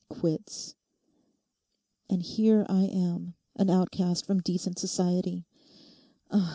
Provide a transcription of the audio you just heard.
"Quits!" And here I am, an outcast from decent society.